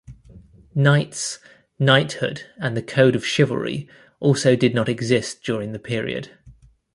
Knights, knighthood and the code of chivalry also did not exist during the period.